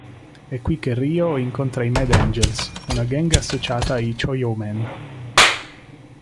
È qui che Ryo incontra i Mad Angels, una gang associata ai Chiyou-men.